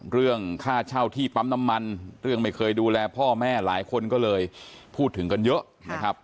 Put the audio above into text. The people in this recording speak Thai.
เรื่องค่าเช่าที่ปั๊มน้ำมันเรื่องไม่เคยดูแลพ่อแม่หลายคนก็เลยพูดถึงกันเยอะนะครับ